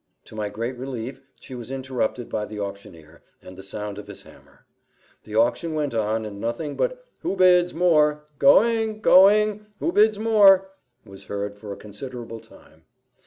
To my great relief, she was interrupted by the auctioneer, and the sound of his hammer. The auction went on, and nothing but "Who bids more? going! going! who bids more?" was heard for a considerable time.